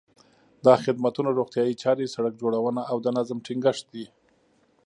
دا خدمتونه روغتیايي چارې، سړک جوړونه او د نظم ټینګښت دي.